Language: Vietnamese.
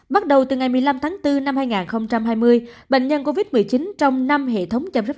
bắt đầu từ ngày một mươi năm tháng bốn năm hai nghìn hai mươi bệnh nhân covid một mươi chín trong năm hệ thống chăm sóc sức khỏe của mỹ bắt đầu đăng ký